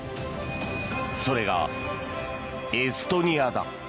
それが、エストニアだ。